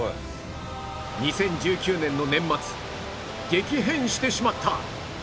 ２０１９年の年末激変してしまった！